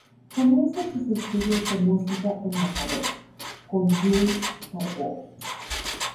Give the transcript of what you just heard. Comienza sus estudios de música en Mataró, con Lluís Carbó.